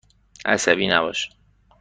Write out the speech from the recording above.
عصبی نباش.